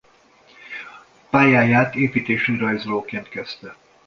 Pályáját építési rajzolóként kezdte.